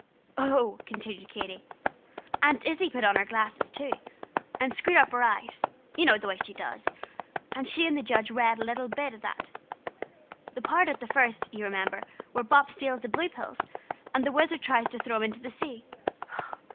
"Oh!" continued Katy, "Aunt Izzie put on her glasses too, and screwed up her eyes you know the way she does, and she and the judge read a little bit of it; that part at the first, you remember, where Bop steals the blue pills, and the Wizard tries to throw him into the sea.